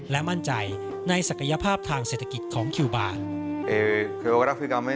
และมั่นใจในศักยภาพทางเศรษฐกิจของคิวบาร์